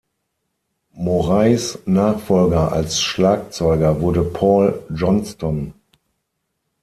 Morais' Nachfolger als Schlagzeuger wurde Paul Johnston.